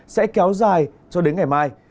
sẽ kéo dài cho đến ngày mai